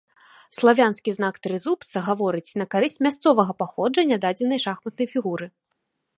Славянскі знак трызубца гаворыць на карысць мясцовага паходжання дадзенай шахматнай фігуры.